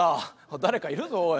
誰かいるぞおい」。